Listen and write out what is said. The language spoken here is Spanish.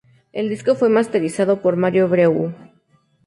El disco fue masterizado por Mario Breuer.